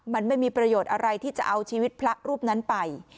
มันไม่มีประโยชน์อะไรที่จะเอาชีวิตพระรูปนั้นไป